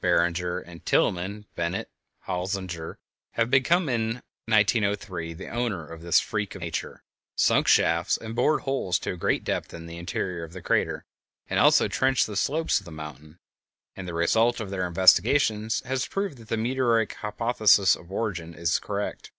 D. M. Barringer, B. C. Tilghman, E. J. Bennitt, and S. J. Holsinger, having become, in 1903, the owner of this freak of nature, sunk shafts and bored holes to a great depth in the interior of the crater, and also trenched the slopes of the mountain, and the result of their investigations has proved that the meteoric hypothesis of origin is correct.